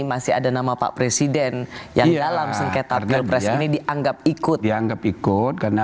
masih ada nama pak presiden yang dalam sengketa pilpres ini dianggap ikut dianggap ikut karena